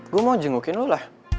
gue mau jengukin lu lah